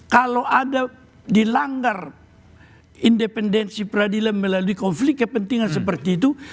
kalau ada dilanggar independensi peradilan melalui konflik kepentingan seperti itu